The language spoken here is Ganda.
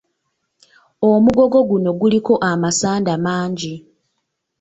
Omugogo guno guliko amasanda mangi.